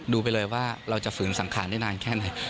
ดูไปเลยว่าเราจะฝืนสังขารได้นานแค่ไหน